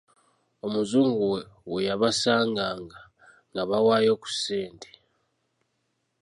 Omuzungu bwe yabasanganga, ng'abawaayo ku ssente.